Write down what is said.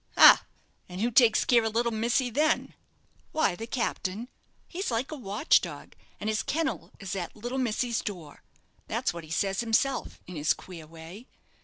"Ha! and who takes care of little missy then?" "Why, the captain. He's like a watch dog, and his kennel is at little missy's door. That's what he says himself, in his queer way.